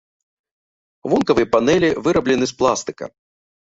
Вонкавыя панэлі выраблены з пластыка.